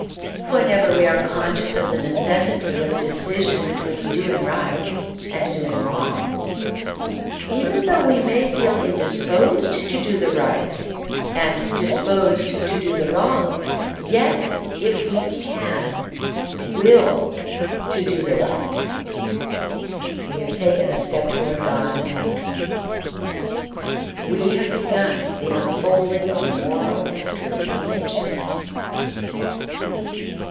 Whenever we are conscious of the necessity of a decision between doing right and doing wrong, even though we may feel indisposed to do the right and disposed to do the wrong, yet if we can will to do the right we have taken a step toward God and heaven; we have begun the unfolding of the moral and spiritual nature.